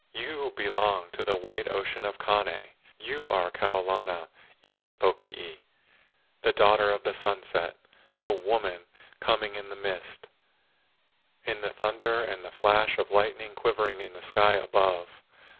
You belong to the white ocean of Kane, You are Kau lana iki pokii, The daughter of the sunset, The woman coming in the mist, In the thunder and the flash of lightning Quivering in the sky above.